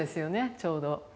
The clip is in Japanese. ちょうど。